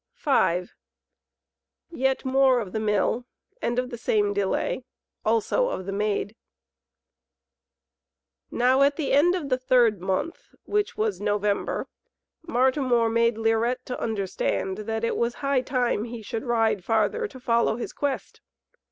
THE MILL V Yet More of the Mill, and of the Same Delay, also of the Maid Now at the end of the third month, which was November, Martimor made Lirette to understand that it was high time he should ride farther to follow his quest.